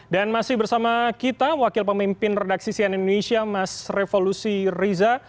dan masih bersama kita wakil pemimpin redaksi sian indonesia mas revolusi riza